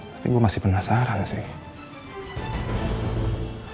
tapi gue masih penasaran sih